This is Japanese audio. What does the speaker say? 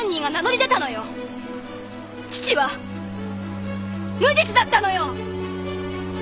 父は無実だったのよ！